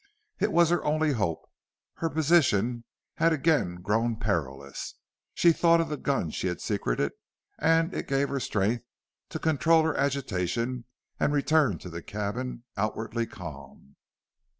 It was her only hope. Her position had again grown perilous. She thought of the gun she had secreted, and it gave her strength to control her agitation and to return to the cabin outwardly calm.